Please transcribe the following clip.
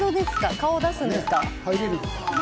顔を出すんですか？